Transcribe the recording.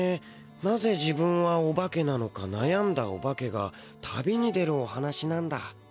なぜ自分はオバケなのかなやんだオバケが旅に出るお話なんだ。